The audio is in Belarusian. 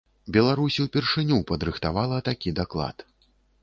Беларусь упершыню падрыхтавала такі даклад.